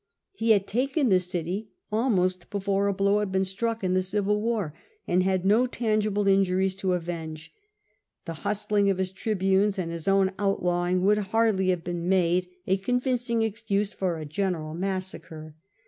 He had taken the city almost before a blow had been struck in the Civil War, and had no tangible injuries to avenge ; the hustling of his tribunes and his own outlawing would hardly have been made a 334 C ^SAR convincing excuse for a general massacre.